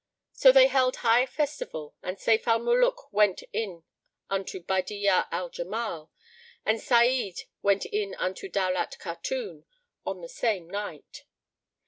So they held high festival and Sayf al Muluk went in unto Badi'a al Jamal and Sa'id went in unto Daulat Khatun on the same night.